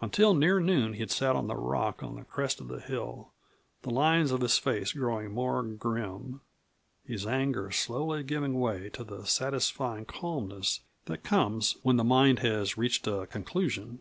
Until near noon he sat on the rock on the crest of the hill, the lines of his face growing more grim, his anger slowly giving way to the satisfying calmness that comes when the mind has reached a conclusion.